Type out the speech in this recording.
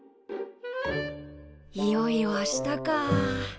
いよいよ明日か。